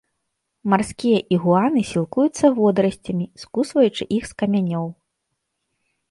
Марскія ігуаны сілкуюцца водарасцямі, скусваючы іх з камянёў.